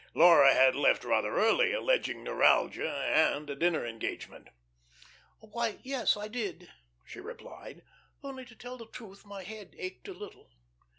Laura had left rather early, alleging neuralgia and a dinner engagement. "Why, yes I did," she replied. "Only, to tell the truth, my head ached a little."